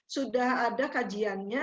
sudah ada kajiannya